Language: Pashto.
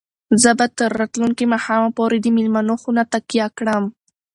زه به تر راتلونکي ماښامه پورې د مېلمنو خونه تکیه کړم.